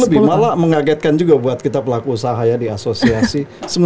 lebih malah mengagetkan juga buat kita pelaku usaha ya di asosiasi